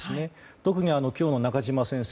特に今日、中島先生